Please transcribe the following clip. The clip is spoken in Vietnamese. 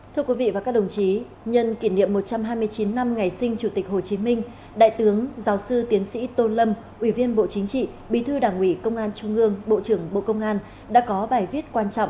thưa quý vị và các đồng chí nhân kỷ niệm một trăm hai mươi chín năm ngày sinh chủ tịch hồ chí minh đại tướng giáo sư tiến sĩ tô lâm ủy viên bộ chính trị bí thư đảng ủy công an trung ương bộ trưởng bộ công an đã có bài viết quan trọng